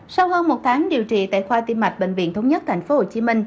sau hơn một tháng điều trị tại khoa tiêm mạch bệnh viện thống nhất tp hcm